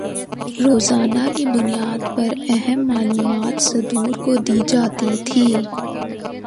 روزانہ کی بنیاد پر اہم معلومات صدور کو دی جاتی تھیں